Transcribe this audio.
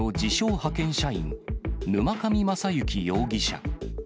派遣社員、沼上将之容疑者。